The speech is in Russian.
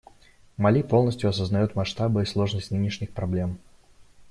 Мали полностью осознает масштабы и сложность нынешних проблем.